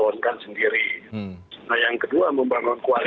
pertama karena mereka juga tidak ada yang mencukupi untuk mencukupi